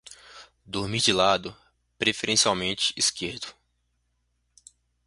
Dormir de lado, preferencialmente esquerdo